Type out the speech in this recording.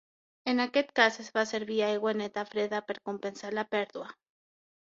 En aquest cas es fa servir aigua neta freda per compensar la pèrdua.